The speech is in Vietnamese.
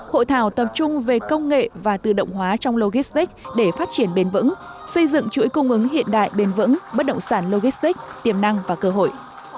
hội thảo tập trung về công nghệ và tự động hóa trong logistic để phát triển bền vững xây dựng chuỗi cung ứng hiện đại bền vững bất động sản logistic tiềm năng và cơ hội